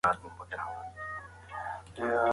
د کار او کور ژوند باید بیل وي.